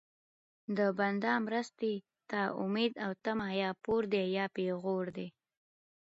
د بنده مرستې ته امید او طمع یا پور دی یا پېغور دی